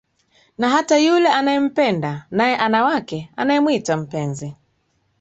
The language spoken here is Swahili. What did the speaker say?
Na hata yule anayempenda, naye ana wake anayemwita mpenzi